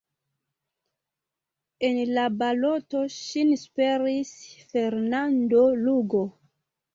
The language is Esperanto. En la baloto ŝin superis Fernando Lugo.